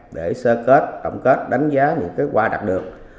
để sơ kết tổng kết đánh giá những kết quả đạt được